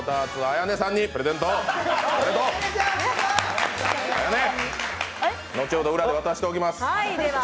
綾音、後ほど裏で渡しておきます。